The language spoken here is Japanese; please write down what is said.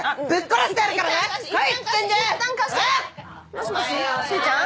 もしもししーちゃん？